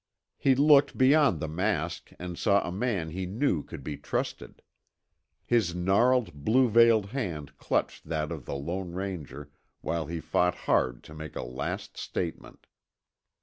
He looked beyond the mask and saw a man he knew could be trusted. His gnarled, blue veined hand clutched that of the Lone Ranger while he fought hard to make a last statement.